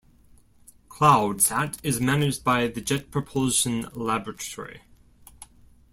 CloudSat is managed by the Jet Propulsion Laboratory.